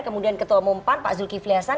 kemudian ketua umum pan pak zulkifli hasan